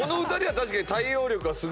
確かに。